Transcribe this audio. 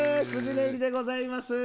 ねいりでございます。